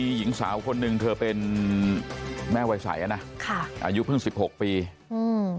หนึ่งหนึ่งเธอเป็นแม่วัยไสอ่ะนะค่ะอายุเพิ่งสิบหกปีอืม